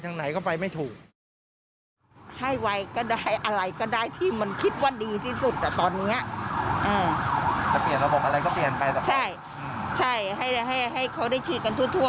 เพราะมันติดกันเยอะนะ